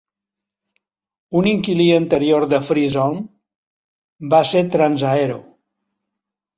Un inquilí anterior de Free Zone va ser Transaero.